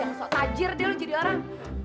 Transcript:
yang sok tajir dia lo jadi orang